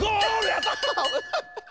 やった！